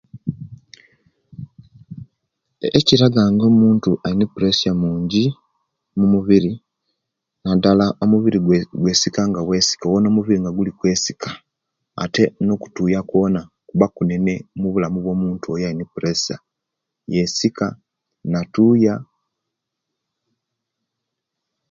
Ekiraga nga omuntu alina presya mungi mumubiri, Nadala mubiri gwe gwesika nga bwesiki owona omubiri gwesika ate nokutuya kwona kuba kunene mubulamu bwo muntu alina puresia yesika, natuuya.